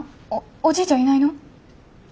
おじいちゃんいないの？